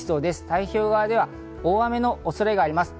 太平洋側では大雨の恐れがあります。